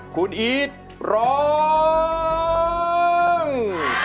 คุณอีทร้อง